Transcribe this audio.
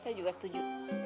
saya juga setuju